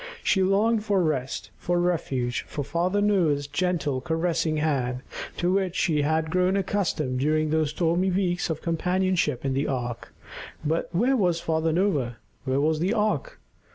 She longed for rest, for refuge, for Father Noah's gentle, caressing hand to which she had grown accustomed during those stormy weeks of companionship in the ark. But where was Father Noah? Where was the ark?